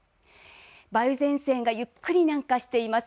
梅雨前線がゆっくり南下しています。